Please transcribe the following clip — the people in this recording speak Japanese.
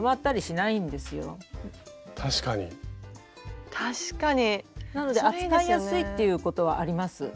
なので扱いやすいっていうことはあります。